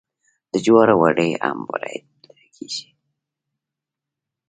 د جوارو وږي هم وریت کیږي.